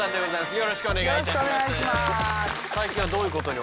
よろしくお願いします。